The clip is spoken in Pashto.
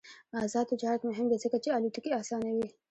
آزاد تجارت مهم دی ځکه چې الوتکې اسانوي.